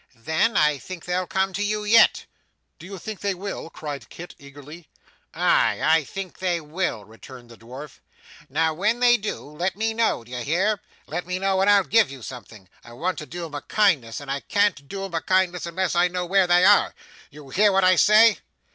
'Then, I think they'll come to you yet.' 'Do you think they will?' cried Kit eagerly. 'Aye, I think they will,' returned the dwarf. 'Now, when they do, let me know; d'ye hear? Let me know, and I'll give you something. I want to do 'em a kindness, and I can't do 'em a kindness unless I know where they are. You hear what I say?